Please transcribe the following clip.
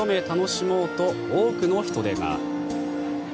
楽しもうと多くの人出が。